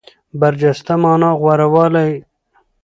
برجسته مانا غوره والی.